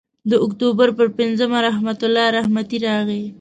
د اکتوبر پر پینځمه رحمت الله رحمتي راغی.